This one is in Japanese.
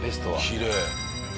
きれい。